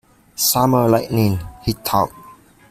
"Summer lightning," he thought.